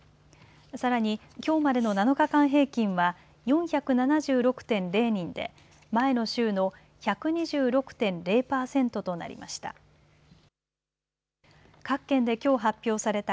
さらに、きょうまでの７日間平均は４７６．０人で前の週の１２６．０％となりました。